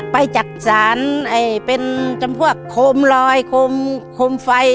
จักษานเป็นจำพวกโคมลอยโคมไฟ